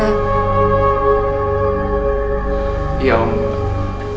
dan bagaimana cara kamu memperbaiki motor ini